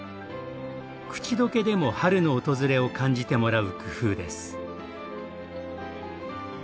口溶けでも春の訪れを感じてもらう工夫です。